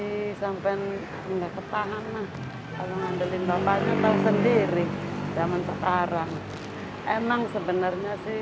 di sampai enggak ketahanan kalau ngandelin bapaknya tahu sendiri zaman sekarang emang sebenarnya sih